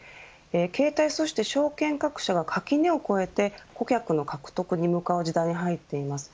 携帯、そして証券各社が垣根を越えて顧客の獲得に向かう時代に入っています。